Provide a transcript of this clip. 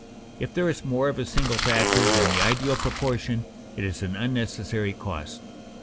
If there is more of a single factor than the ideal proportion, it is an unnecessary cost.